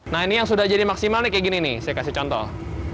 nah ini yang sudah jadi maksimal ini seperti ini saya kasih contoh